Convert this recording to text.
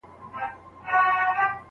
پوهان د دې علم د نومونې په اړه همغږي نه دي.